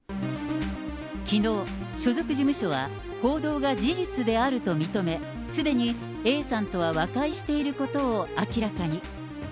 きのう、所属事務所は報道が事実であると認め、すでにＡさんとは和解していることを明らかに。